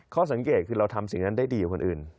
สังเกตคือเราทำสิ่งนั้นได้ดีกว่าคนอื่น